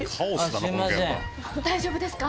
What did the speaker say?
大丈夫ですか？